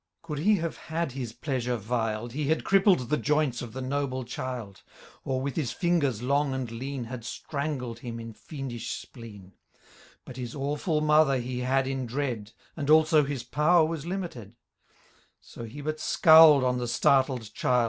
Could he have had his pleasure vilde, He had crippled the joints of the noble child ; Or, with his fingers long and lean. Had strangled him in fiendish spleen : But his awftil mother he had in dread. And also his power was limited ; So he but scowPd on the startled child.